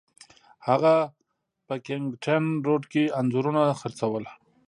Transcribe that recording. هغه په کینینګټن روډ کې انځورونه خرڅول.